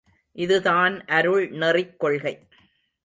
இதுதான் அருள் நெறிக் கொள்கை.